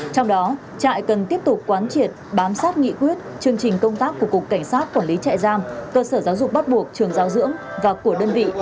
trong đó trại cần tiếp tục quán triệt bám sát nghị quyết chương trình công tác của cục cảnh sát quản lý trại giam cơ sở giáo dục bắt buộc trường giáo dưỡng và của đơn vị